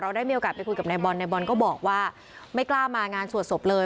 ได้มีโอกาสไปคุยกับนายบอลนายบอลก็บอกว่าไม่กล้ามางานสวดศพเลย